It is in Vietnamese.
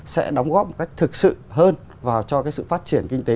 sẽ đóng góp một cách thực sự hơn vào cho cái sự phát triển kinh tế